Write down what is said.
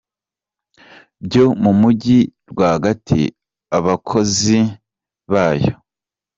byo mu Mujyi rwagati Abakozi bayo.